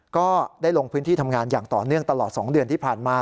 ก็ได้ลงพื้นที่ทำงานอย่างต่อเนื่องตลอด๒เดือนที่ผ่านมา